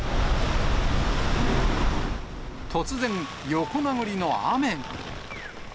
突然、横殴りの雨が。